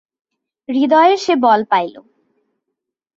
হৃদয়ে সে বল পাইল।